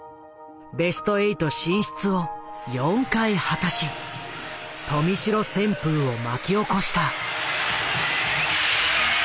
ベスト８進出を４回果たし豊見城旋風を巻き起こした。